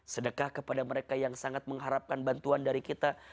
sedekah kepada mereka yang sangat mengharapkan bantuan dari kita